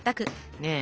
ねえ。